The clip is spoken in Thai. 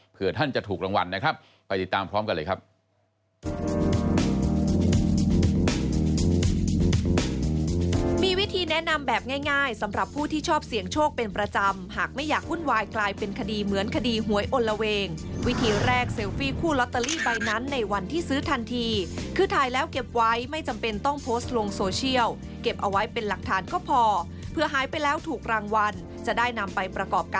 เพื่อท่านจะถูกรางวัลนะครับไปติดตามพร้อมกันเลยครับ